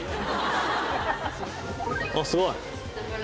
あっすごい！